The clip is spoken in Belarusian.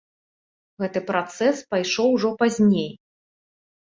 Гэты працэс пайшоў ужо пазней.